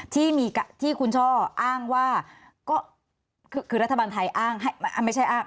ที่คุณช่ออ้างว่าก็คือรัฐบาลไทยอ้างไม่ใช่อ้าง